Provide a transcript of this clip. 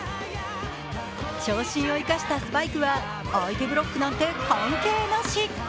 長身を生かしたスパイクは相手ブロックなんて関係なし。